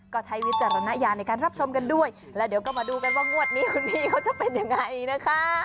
ก็ใช้วิจารณญาณในการรับชมกันด้วยแล้วเดี๋ยวก็มาดูกันว่างวดนี้คุณพี่เขาจะเป็นยังไงนะคะ